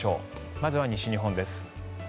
まずは西日本です。